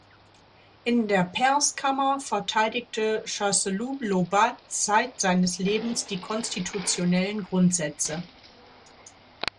In der Pairskammer verteidigte Chasseloup-Laubat zeit seines Lebens die konstitutionellen Grundsätze.